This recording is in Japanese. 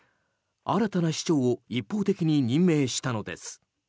新たな市長を一方的に任命したのです。